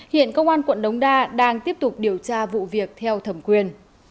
hiện công an quận đống đa đang tiếp tục điều tra vụ việc theo thẩm quyền